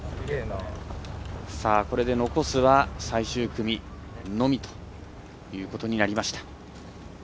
これで残すは最終組のみということになりました。